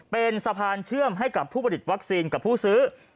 เป็นสะพานเชื่อมให้กับผู้ผลิตวัคซีนกับผู้ซื้อ